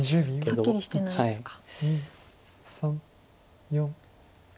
はっきりしてないですか。